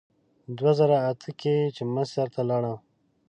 دوه زره اته کې چې مصر ته لاړم.